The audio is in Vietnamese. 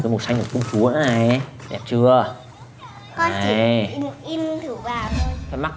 nhưng đã từ chối nhất